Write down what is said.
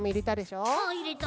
うんいれた。